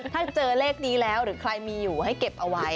ถ้าเจอเลขนี้แล้วหรือใครมีอยู่ให้เก็บเอาไว้